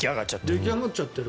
出来上がっちゃってる。